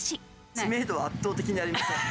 知名度は圧倒的にありません。